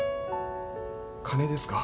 金ですか？